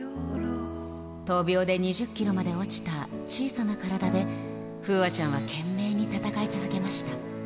闘病で２０キロまで落ちた小さな体で、楓空ちゃんは懸命に闘い続けました。